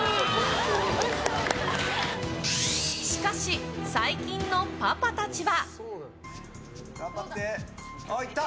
しかし最近のパパたちは。